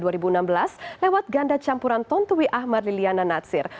olimpiade dua ribu enam belas lewat ganda campuran tontowi ahmad liliana natsir